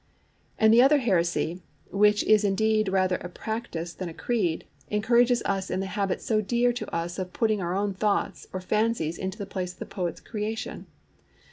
And the other heresy—which is indeed rather a practise than a creed—encourages us in the habit so dear to us of putting our own thoughts or fancies into the place of the poet's creation.